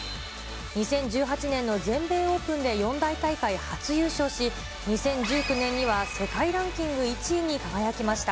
２０１８年の全米オープンで四大大会初優勝し、２０１９年には世界ランキング１位に輝きました。